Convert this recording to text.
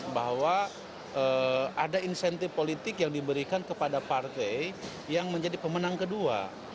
bahwa ada insentif politik yang diberikan kepada partai yang menjadi pemenang kedua